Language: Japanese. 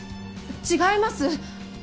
違います！